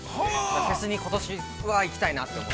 フェスにことしは行きたいなと思って。